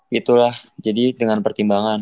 gitu lah jadi dengan pertimbangan